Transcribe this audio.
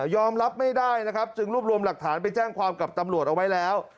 รับไม่ได้นะครับจึงรวบรวมหลักฐานไปแจ้งความกับตำรวจเอาไว้แล้ว